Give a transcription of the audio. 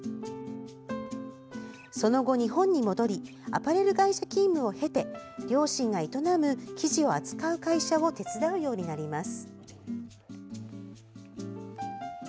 その後、日本に戻りアパレル会社勤務を経て両親が営む、生地を扱う会社を手伝うようになります。